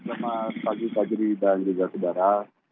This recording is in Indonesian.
selamat pagi pak juri dan juga saudara